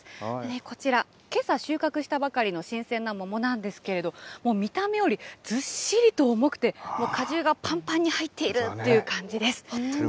こちら、けさ収穫したばかりの新鮮な桃なんですけれど、見た目よりずっしりと重くて、果汁がぱんぱんに入っているっていう感じです。